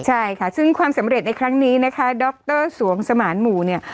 ใช่ค่ะซึ่งความสำเร็จในครั้งนี้นะคะดรสวงสมานหมู่เนี่ย